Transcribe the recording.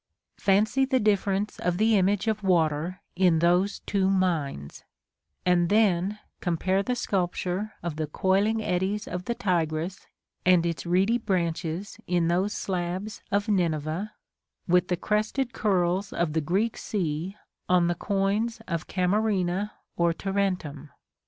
Fancy the difference of the image of water in those two minds, and then compare the sculpture of the coiling eddies of the Tigris and its reedy branches in those slabs of Nineveh, with the crested curls of the Greek sea on the coins of Camerina or Tarentum.